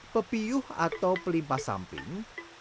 pepiyuh atau pelimpas samping